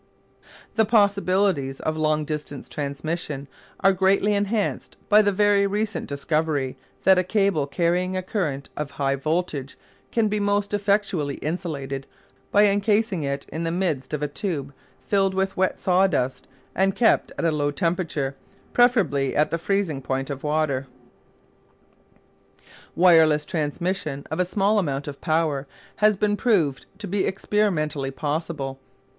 The possibilities of long distance transmission are greatly enhanced by the very recent discovery that a cable carrying a current of high voltage can be most effectually insulated by encasing it in the midst of a tube filled with wet sawdust and kept at a low temperature, preferably at the freezing point of water. Wireless transmission of a small amount of power has been proved to be experimentally possible.